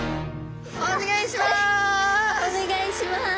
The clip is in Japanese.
お願いします！